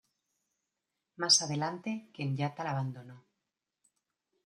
Más adelante, Kenyatta la abandonó.